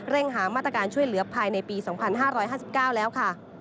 หามาตรการช่วยเหลือภายในปี๒๕๕๙แล้วค่ะ